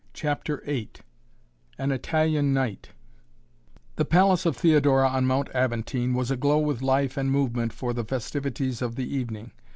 CHAPTER VIII AN ITALIAN NIGHT The palace of Theodora on Mount Aventine was aglow with life and movement for the festivities of the evening.